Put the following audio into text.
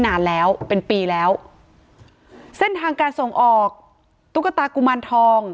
นานแล้วเป็นปีแล้วเส้นทางการส่งออกตุ๊กตากุมารทอง